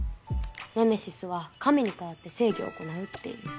ネメシスは神に代わって正義を行うっていう。